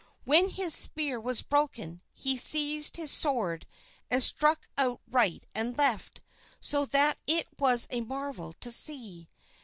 When his spear was broken he seized his sword and struck out right and left, so that it was a marvel to see.